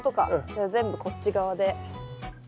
じゃあ全部こっち側で。